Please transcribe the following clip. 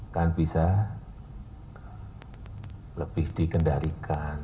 kan bisa lebih dikendalikan